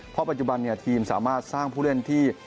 เพราะปัจจุบันทีมสามารถสร้างผู้เล่นที่